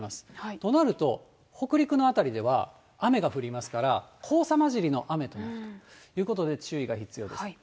となると、北陸の辺りでは雨が降りますから、黄砂まじりの雨ということで注意が必要です。